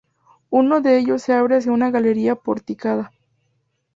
Uno de ellos se abre hacia una galería porticada.